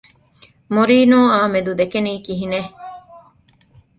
މޮރިީނިއޯއާ މެދު ދެކެނީ ކިހިނެއް؟